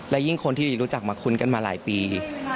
และยิ่งคนที่รู้จักมาคุ้นกันมาหลายปี